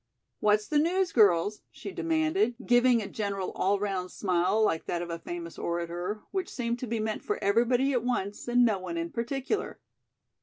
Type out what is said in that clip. "What's the news, girls?" she demanded, giving a general all round smile like that of a famous orator, which seemed to be meant for everybody at once and no one in particular.